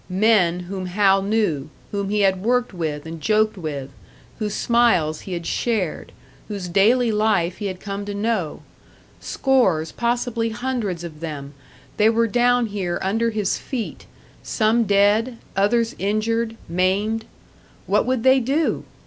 Men whom Hal knew, whom he had worked with and joked with, whose smiles he had shared; whose daily life he had come to know! Scores, possibly hundreds of them, they were down here under his feet some dead, others injured, maimed. What would they do?